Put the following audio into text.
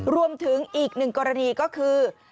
รวมถึงอีกหนึ่งกรณีก็คือ